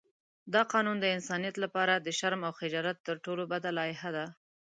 دا قانون د انسانیت لپاره د شرم او خجالت تر ټولو بده لایحه ده.